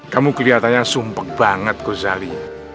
kamu kelihatannya sumpek banget gozali